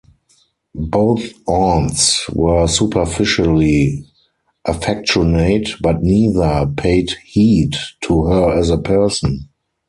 Both aunts were superficially affectionate, but neither paid heed to her as a person.